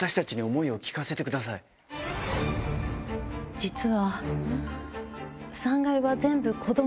実は。